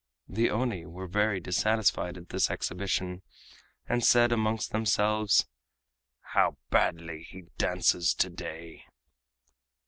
The Oni were very dissatisfied at this exhibition, and said amongst themselves: "How badly he dances to day!"